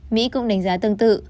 mỹ cũng đánh giá tương tự